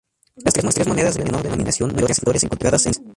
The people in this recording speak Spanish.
Las tres monedas de menor denominación muestran flores encontradas en el país.